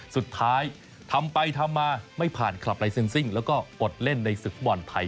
สุดท้ายทำไปทำมาไม่ผ่านคลับลายซินซิ้งแล้วก็อดเล่นในศึกษภบรรณาไทย